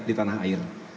di tanah air